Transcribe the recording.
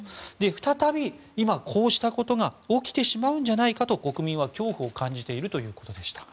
再び今、こうしたことが起きてしまうんじゃないかと国民は恐怖を感じているということでした。